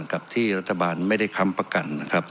กับที่รัฐบาลไม่ได้ค้ำประกันนะครับ